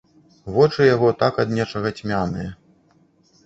Вочы яго так ад нечага цьмяныя.